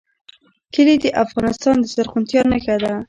کلي د افغانستان د زرغونتیا نښه ده.